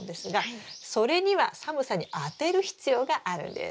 それには寒さにあてる必要があるんです。